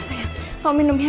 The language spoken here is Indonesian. sayang mau minum ya